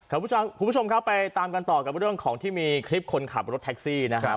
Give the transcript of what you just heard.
คุณผู้ชมครับไปตามกันต่อกับเรื่องของที่มีคลิปคนขับรถแท็กซี่นะครับ